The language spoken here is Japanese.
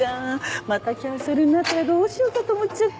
またキャンセルになったらどうしようかと思っちゃった。